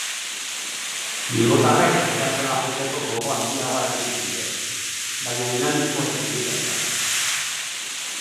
Bilbotarrek erasora jotzeko gogo handiagoa erakutsi dute, baina dinamismo eta ideiarik gabe.